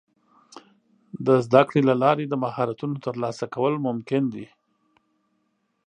د زده کړې له لارې د مهارتونو ترلاسه کول ممکن دي.